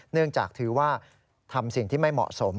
เนื่องจากถือว่าทำสิ่งที่ไม่เหมาะสม